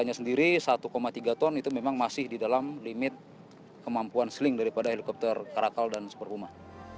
harganya sendiri satu tiga ton itu memang masih di dalam limit kemampuan seling daripada helikopter karakal dan super rumah